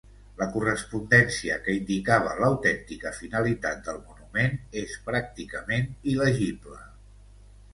La correspondència que indicava l'autèntica finalitat del monument és pràcticament il·legible.